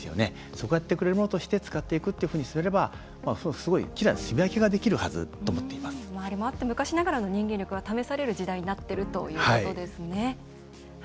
そこをやってくれるものとして使っていくっていうふうにすればすごいきれいにすみ分けができるはずと回りまわって昔ながらの人間力が試される時代になっているということですね。